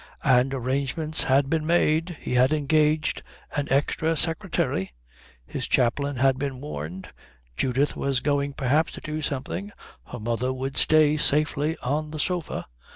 And arrangements had been made. He had engaged an extra secretary; his chaplain had been warned; Judith was going perhaps to do something; her mother would stay safely on the sofa.